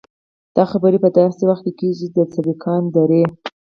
دا خبرې په داسې وخت کې کېږي چې د 'سیليکان درې'.